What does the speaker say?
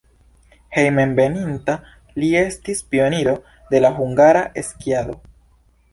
Hejmenveninta li estis pioniro de la hungara skiado.